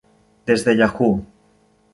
Des de Yahoo!